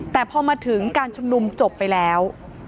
แต่พอมาถึงการชุมนุมจบไปแล้ว